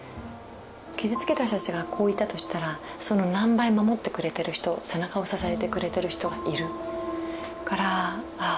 傷つけた人たちがいたとしたらその何倍守ってくれてる人背中を支えてくれてる人がいるからああ